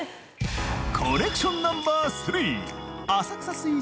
コネクションナンバー３